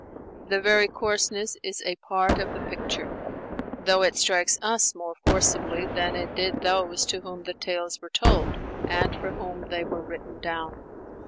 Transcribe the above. The very coarseness is a part of the picture; though it strikes us more forcibly than it did those to whom the tales were told and for whom they were written down.